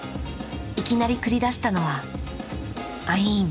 いきなり繰り出したのはアイーン。